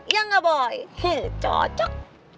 ya enggak boy cocok